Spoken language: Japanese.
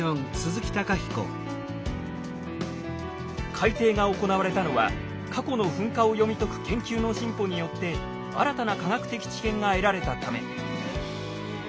改定が行われたのは過去の噴火を読み解く研究の進歩によって新たな科学的知見が得られたため。